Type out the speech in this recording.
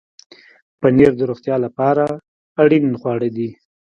پنېر د روغتیا لپاره اړین خواړه دي.